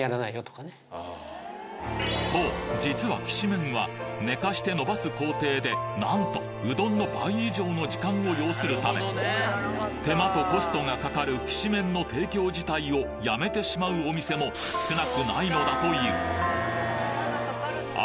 そう実はきしめんは寝かして伸ばす工程でなんとうどんの倍以上の時間を要するため手間とコストがかかるきしめんの提供自体をやめてしまうお店も少なくないのだというあ